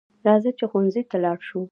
راځه چې ښوونځي ته لاړ شو